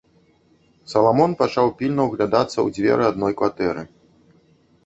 Саламон пачаў пільна ўглядацца ў дзверы адной кватэры.